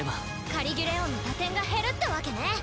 カリギュレオンの打点が減るってわけね。